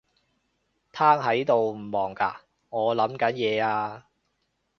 癱喺度唔忙㗎？我諗緊嘢呀